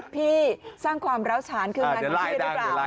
พี่สร้างความเหล้าฉานขึ้นกันได้หรือเปล่า